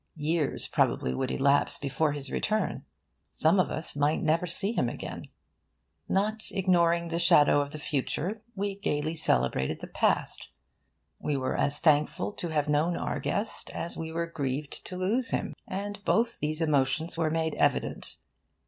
Years probably would elapse before his return. Some of us might never see him again. Not ignoring the shadow of the future, we gaily celebrated the past. We were as thankful to have known our guest as we were grieved to lose him; and both these emotions were made evident.